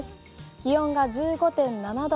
気温が１５．７度。